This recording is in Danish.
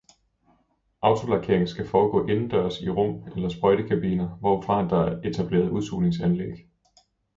Autolakering skal foregå indendørs i rum eller sprøjtekabiner, hvorfra der er etableret udsugningsanlæg